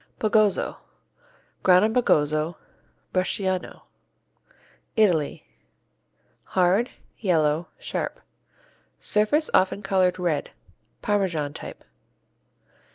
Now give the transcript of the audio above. Bagozzo, Grana Bagozzo, Bresciano Italy Hard; yellow; sharp. Surface often colored red. Parmesan type.